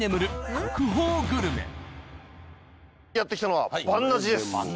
やって来たのは。